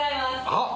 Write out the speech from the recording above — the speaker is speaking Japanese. あっ。